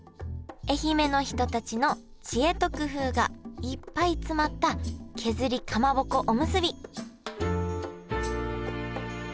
愛媛の人たちの知恵と工夫がいっぱい詰まった削りかまぼこおむすび